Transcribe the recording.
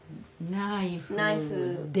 ナイフ「で」